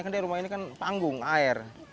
kan dia rumah ini kan panggung air